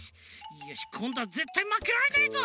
よしこんどはぜったいまけられねえぞ！